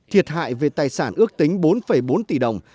thiệt hại về tài sản ước tính bốn bốn tỷ đồng